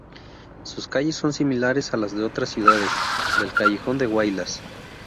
Sus calles son similares a las de otras ciudades del Callejón de Huaylas.